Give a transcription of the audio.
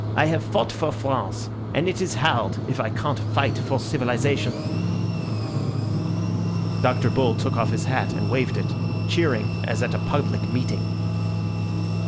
I have fought for France, and it is hard if I can't fight for civilization." Dr. Bull took off his hat and waved it, cheering as at a public meeting.